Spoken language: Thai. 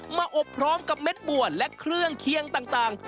มาอบพร้อมกับเม็ดบัวและเครื่องเคียงต่าง